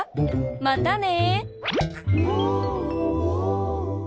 またね。